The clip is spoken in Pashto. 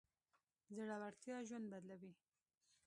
زړورتيا ژوند بدلوي.